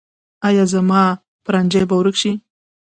ایا زما پرنجی به ورک شي؟